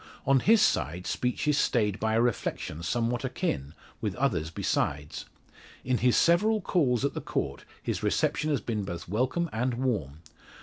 On his side speech is stayed by a reflection somewhat akin, with others besides. In his several calls at the Court his reception has been both welcome and warm.